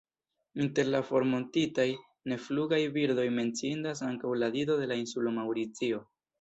Inter la formortintaj neflugaj birdoj menciindas ankaŭ la Dido de la insulo Maŭricio.